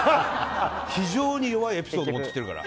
非常に弱いエピソード持ってきてるから。